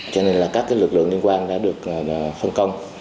cho nên là các lực lượng liên quan đã được phân công